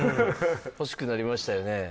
欲しくなりましたよね？